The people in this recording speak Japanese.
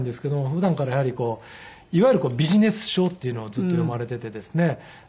普段からやはりいわゆるビジネス書っていうのをずっと読まれていてですね。